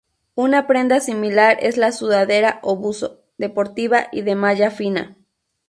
Una prenda similar es la sudadera o buzo, deportiva y de malla fina.